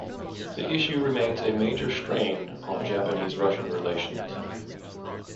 The issue remains a major strain on Japanese-Russian relations.